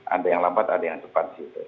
ada yang lambat ada yang cepat